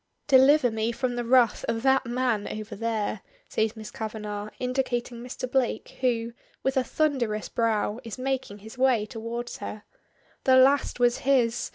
"Deliver me from the wrath of that man over there," says Miss Kavanagh, indicating Mr. Blake, who, with a thunderous brow, is making his way towards her. "The last was his.